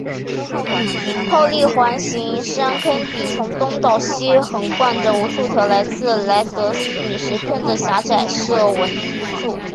泡利环形山坑底从东到西横贯着无数条来自莱德陨石坑的狭窄射纹束。